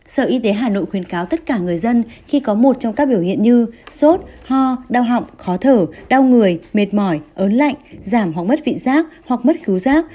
sở y tế hà nội khuyến cáo tất cả người dân khi có một trong các biểu hiện như sốt ho đau họng khó thở đau người mệt mỏi ớn lạnh giảm hoặc mất vị giác hoặc mất cứu giác